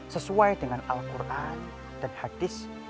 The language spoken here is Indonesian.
sesuai dengan al quran dan hadis